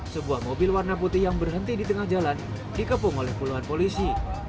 sebuah mobil warna putih yang berhenti di tengah jalan dikepung oleh puluhan polisi